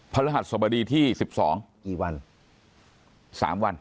รหัสสบดีที่๑๒กี่วัน๓วัน